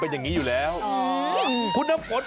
ที่นี่มันเสาครับ